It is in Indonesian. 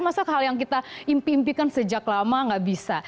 masa hal yang kita impikan sejak lama tidak bisa